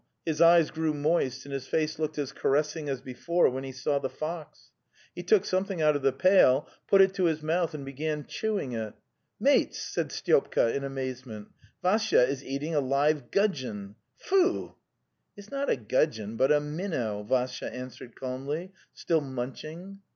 His eyes grew moist and his face looked as ca ressing as before when he saw the fox. He took something out of the pail, put it to his mouth and be gan chewing it. '" Mates," said Styopka in amazement, '' Vassya is eating a live gudgeon! Phoo!" 'It's not a gudgeon, but a minnow," Vassya an swered calmly, still munching.